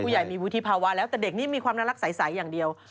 ใหญ่มีวุฒิภาวะแล้วแต่เด็กนี้มีความน่ารักใสอย่างเดียว